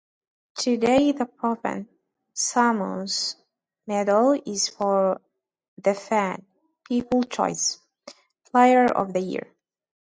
Today the Provan-Summons Medal is for the fans' "people's choice" player of the year.